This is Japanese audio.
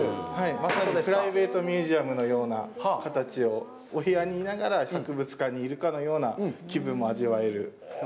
まさにプライベートミュージアムのような形を、お部屋にいながら、博物館にいるような気分を味わえると。